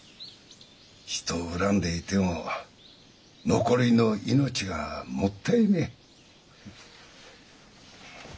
人を恨んでいても残りの命がもったいねえ。